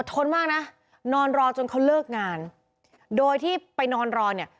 ทนมากนะนอนรอจนเขาเลิกงานโดยที่ไปนอนรอเนี่ย